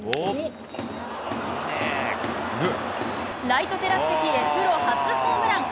ライトテラス席へ、プロ初ホームラン。